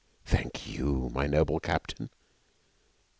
Thank you, my noble captain!'